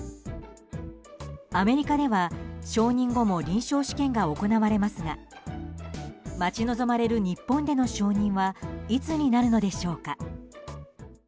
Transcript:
アメリカでは承認後も臨床試験が行われますが待ち望まれる日本での承認はいつになるのでしょうか。